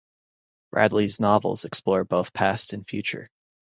Bradley's novels explore both past and future.